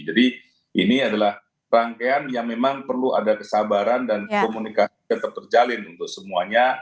jadi ini adalah rangkaian yang memang perlu ada kesabaran dan komunikasi tetap terjalin untuk semuanya